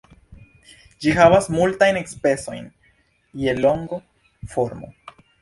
Ĝi havas multajn specojn je longo, formo.